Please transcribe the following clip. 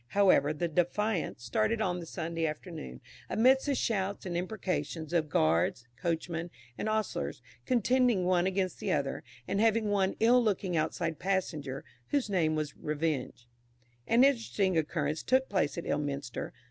However, the "Defiance" started on the Sunday afternoon, amidst the shouts and imprecations of guards, coachmen, and ostlers, contending one against the other, and having one ill looking outside passenger, whose name was Revenge. An interesting occurrence took place at Ilminster.